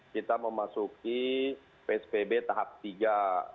kita memasuki psbb tahap tiga